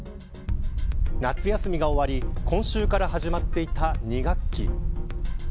夏休みが終わり今週から始まっていた２学期。